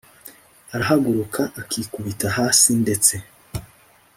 arahaguruka akikubita hasi ndetse